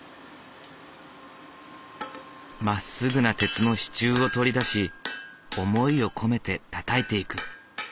まっすぐな鉄の支柱を取り出し思いを込めてたたいていく。